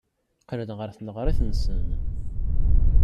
Qqlen ɣer tneɣrit-nsen.